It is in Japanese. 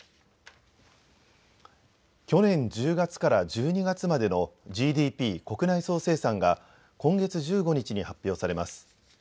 去年１０月から１２月までのＧＤＰ・国内総生産が今月１５日に発表されます。